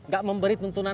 gak memberi tentuan agama